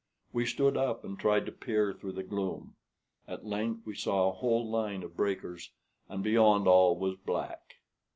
We stood up and tried to peer through the gloom. At length we saw a whole line of breakers, and beyond all was black.